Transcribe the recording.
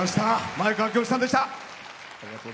前川清さんでした。